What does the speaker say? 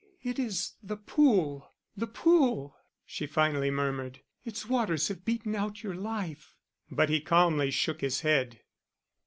"It is the pool; the pool," she finally murmured. "Its waters have beaten out your life." But he calmly shook his head.